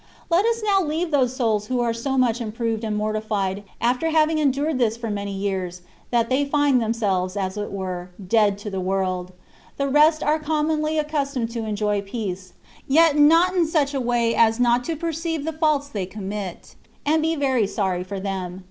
Let us now leave those souls who are so much improved and mortified, after having endured this for many years, that they find themselves, as it were, dead to the world; the rest are commonly accustomed to enjoy peace, yet not in such a way as not to perceive the faults they commit, and be very sorry for them.